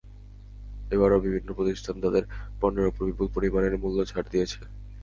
এবারও বিভিন্ন প্রতিষ্ঠান তাদের পণ্যের ওপর বিপুল পরিমাণের মূল্য ছাড় দিয়েছে।